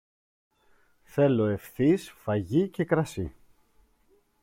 Θέλω ευθύς φαγί και κρασί.